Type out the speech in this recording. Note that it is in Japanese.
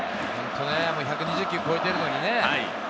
１２０球超えてるのにね。